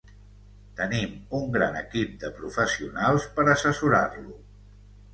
tenim un gran equip de professionals per assessorar-lo